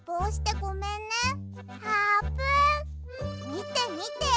みてみて！